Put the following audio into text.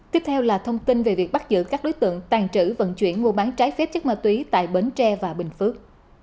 tiếp theo là thông tin về việc bắt giữ các đối tượng tàn trữ vận chuyển mua bán trái phép chất ma túy tại bến tre và bình phước